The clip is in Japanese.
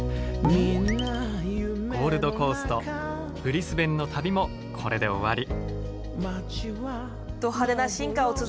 ゴールドコーストブリスベンの旅もこれで終わり。